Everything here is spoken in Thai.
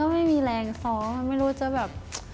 มันก็ไม่มีแรงซ้อมไม่รู้จะแบบ